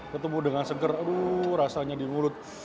ketemu dengan seger rasanya di mulut